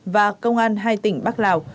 và công an hai tỉnh bắc lào